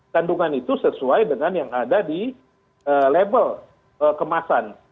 kandungan itu sesuai dengan yang ada di level kemasan